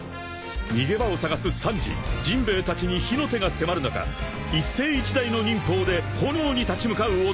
［逃げ場を探すサンジジンベエたちに火の手が迫る中一世一代の忍法で炎に立ち向かう男雷ぞう］